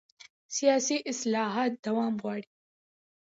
سیاسي اصلاحات دوام غواړي